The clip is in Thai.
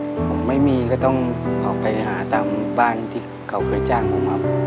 ผมไม่มีก็ต้องออกไปหาตามบ้านที่เขาเคยจ้างผมครับ